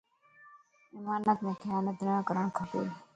امانت مَ خيانت نه ڪرڻ کپ